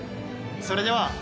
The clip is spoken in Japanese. それでは。